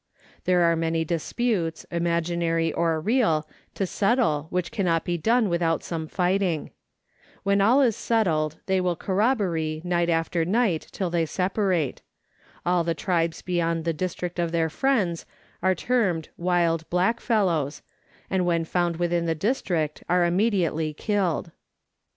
There are many disputes, imaginary or real, to settle which cannot be done without some fighting. When all is settled they will corrobboree night after night till they separate. All the tribes beyond the district of their friends are termed wild blackfellows, and when found within the district are immediately killed.